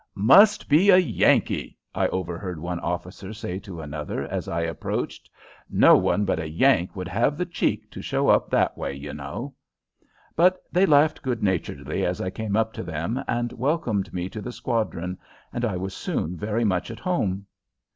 "Must be a Yankee!" I overheard one officer say to another as I approached. "No one but a Yank would have the cheek to show up that way, you know!" But they laughed good naturedly as I came up to them and welcomed me to the squadron, and I was soon very much at home.